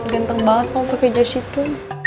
ganteng banget kamu pake jas itu